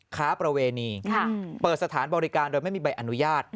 ค้าประเวณีเปิดสถานบริการโดยไม่มีใบอนุญาต